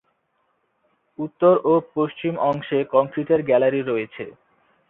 উত্তর ও পশ্চিম অংশে কংক্রিটের গ্যালারি রয়েছে।